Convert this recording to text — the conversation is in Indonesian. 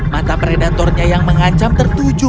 mata predatornya yang mengancam tertuju